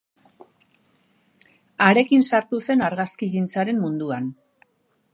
Harekin sartu zen argazkigintzaren munduan.